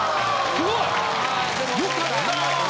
・すごい・よかった。